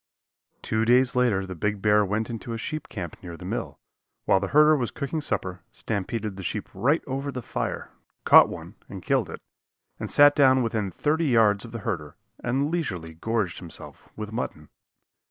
Two days later the big bear went into a sheep camp near the mill, while the herder was cooking supper, stampeded the sheep right over the fire, caught one and killed it, and sat down within thirty yards of the herder and leisurely gorged himself with mutton.